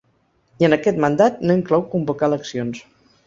I en aquest mandat no inclou convocar eleccions.